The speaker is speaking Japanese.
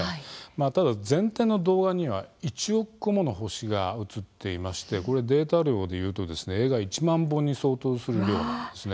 ただ全天の動画には１億個もの星が映っていてデータ量は映画１万本に相当する量です。